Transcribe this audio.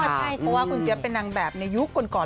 ใช่เพราะว่าคุณเจี๊ยบเป็นนางแบบในยุคก่อน